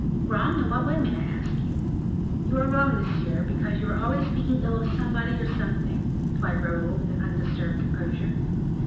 "Wrong; in what way, may I ask you?" "You are wrong, monsieur, because you are always speaking ill of someone or something," replied Raoul, with undisturbed composure.